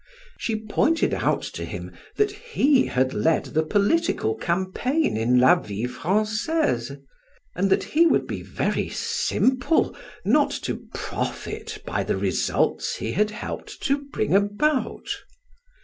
She pointed out to him that he had led the political campaign in "La Vie Francaise," and that he would be very simple not to profit by the results he had helped to bring about.